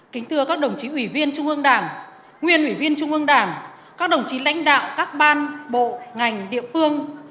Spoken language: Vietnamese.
kính thưa các đồng chí ủy viên trung ương đảng nguyên ủy viên trung ương đảng các đồng chí lãnh đạo các ban bộ ngành địa phương